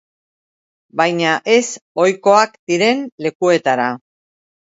Baina ez ohikoak diren lekuetara.